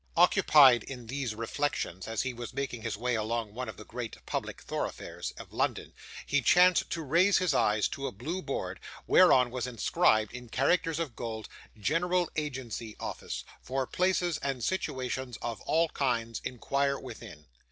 Occupied in these reflections, as he was making his way along one of the great public thoroughfares of London, he chanced to raise his eyes to a blue board, whereon was inscribed, in characters of gold, 'General Agency Office; for places and situations of all kinds inquire within.